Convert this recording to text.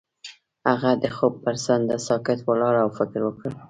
هغه د خوب پر څنډه ساکت ولاړ او فکر وکړ.